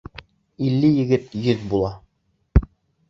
Илле егет йөҙ була.